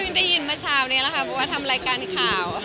ได้ยินเมื่อเช้านี้แหละค่ะเพราะว่าทำรายการข่าว